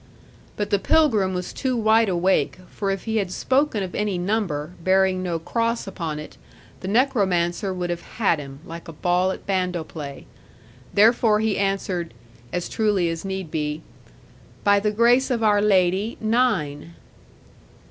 But the pilgrim was too wide awake, for if he had spoken of any number, bearing no cross upon it, the necromancer would have had him, like a ball at bando play. Therefore he answered, as truly as need be, 'By the grace of our Lady, nine.'